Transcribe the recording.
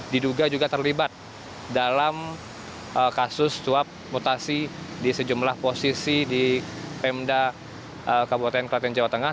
diduga juga terlibat dalam kasus suap mutasi di sejumlah posisi di pemda kabupaten kelaten jawa tengah